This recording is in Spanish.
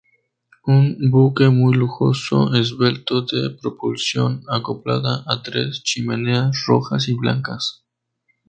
Un buque muy lujoso, esbelto, de propulsión acoplada a tres chimeneas rojas y blancas.